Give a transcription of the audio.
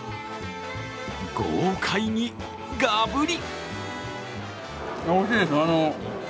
豪快にガブリ。